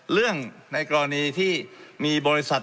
เรื่องในกรณีที่มีบริษัท